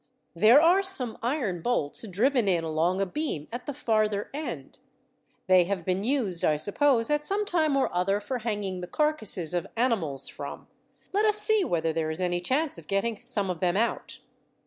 There are some iron bolts driven in along a beam at the farther end. They have been used, I suppose, at some time or other for hanging the carcasses of animals from. Let us see whether there is any chance of getting some of them out."